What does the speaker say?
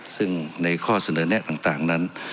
ซึ่งในข้อเสนอแนะต่างนั้น